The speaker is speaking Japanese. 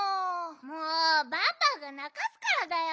もうバンバンがなかすからだよ。